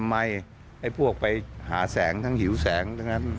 ให้พวกไปหาแสงทั้งหิวแสง